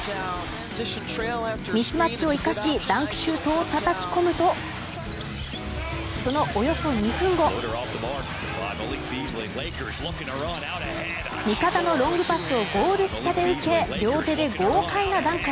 ミスマッチを生かしダンクシュートをたたき込むとそのおよそ２分後味方のロングパスをゴール下で受け両手で豪快なダンク。